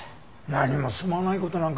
何もすまない事なんかないよ。